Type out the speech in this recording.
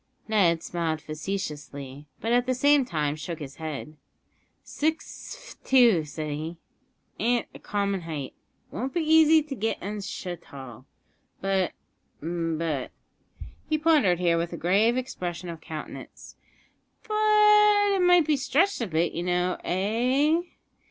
Ned smiled facetiously, but at the same time shook his head. "Six f't two," said he, "an't a common height; it won't be easy to get 'un so tall; but but," he pondered here with a grave expression of countenance, "but it might be stretched a bit, you know eh?